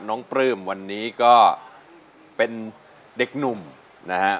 ปลื้มวันนี้ก็เป็นเด็กหนุ่มนะฮะ